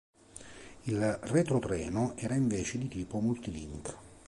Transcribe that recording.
Il retrotreno era invece di tipo multilink.